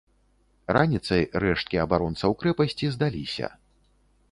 Раніцай рэшткі абаронцаў крэпасці здаліся.